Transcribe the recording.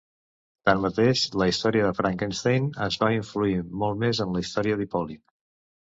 Tanmateix, la història de Frankenstein es va influir molt més en la història d'Hipòlit.